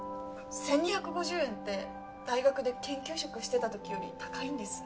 １２５０円って大学で研究職してた時より高いんです。